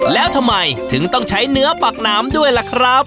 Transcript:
แล้วทำไมถึงต้องใช้เนื้อปักหนามด้วยล่ะครับ